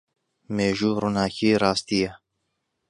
مێژوو ڕووناکیی ڕاستییە.